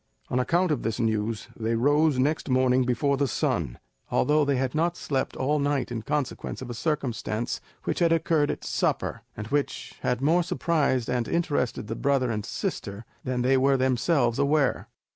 On account of this news, they rose next morning before the sun, although they had not slept all night in consequence of a circumstance which had occurred at supper, and which had more surprised and interested the brother and sister than they were themselves aware.